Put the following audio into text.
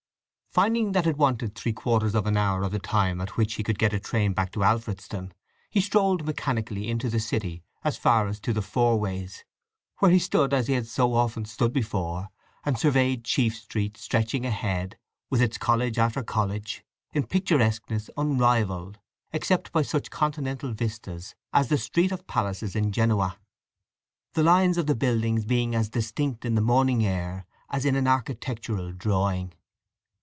Finding that it wanted three quarters of an hour of the time at which he could get a train back to Alfredston, he strolled mechanically into the city as far as to the Fourways, where he stood as he had so often stood before, and surveyed Chief Street stretching ahead, with its college after college, in picturesqueness unrivalled except by such Continental vistas as the Street of Palaces in Genoa; the lines of the buildings being as distinct in the morning air as in an architectural drawing.